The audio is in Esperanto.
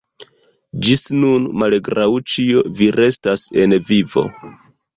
Ĝis nun, malgraŭ ĉio, vi restas en vivo.